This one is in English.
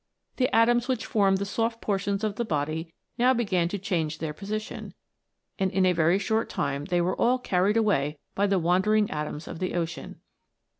The atoms which formed the soft portions of the body now began to change their position, and in a very short time they were all carried away by the wandering atoms of the ocean.